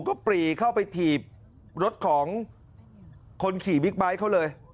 ก็ปรีเข้าไปถีบรถของคนขี่บิ๊กไบท์เขาเลย